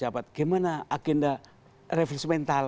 saya dapat jawab gimana agenda revolusi mental